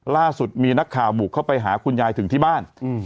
ล่าสุดมีนักข่าวบุกเข้าไปหาคุณยายถึงที่บ้าน